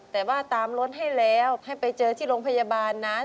แต่ว่าตามรถให้แล้วให้ไปเจอที่โรงพยาบาลนั้น